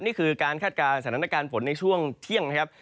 นี่คือการคาดการณ์สถานการณ์ฝนในช่วงเที่ยงนะครับ